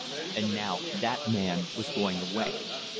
And now that man was going away.